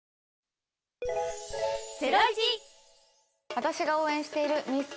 私が応援しているミス